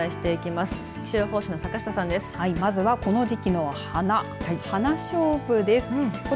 まずは、この時期の花ハナショウブです。